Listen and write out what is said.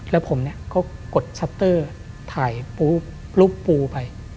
แล้วผมก็กดชัตเตอร์ถ่ายรูปปูไป